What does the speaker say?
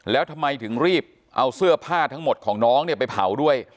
แล้วทำไมถึงรีบเอาเสื้อผ้าทั้งหมดของน้องเนี่ยไปเผาด้วย